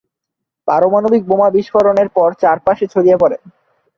পারমাণবিক বোমা বিস্ফোরণের পর চারপাশে ছড়িয়ে পড়ে।